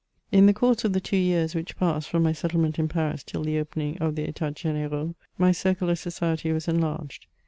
In the coiurse of the two years which passed from my settlement in Paris till the opening of the Etats Gdn^raux, my circle of society was enlarged.